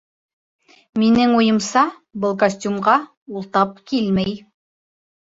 Минең уйымса, был костюмға ул тап килмәй